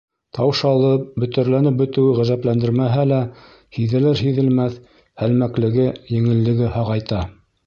Таушалып, бөтәрләнеп бөтөүе ғәжәпләндермәһә лә, һиҙелер-һиҙелмәҫ һәлмәклеге, еңеллеге һағайта.